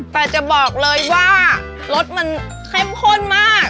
แต่จะบอกเลยว่ารสมันเข้มข้นมาก